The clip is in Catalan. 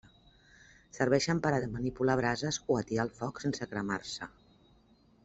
Serveixen per a manipular brases o atiar el foc sense cremar-se.